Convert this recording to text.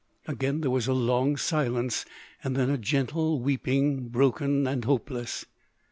Again there was a long silence, and then a gentle weeping, broken, and hopeless.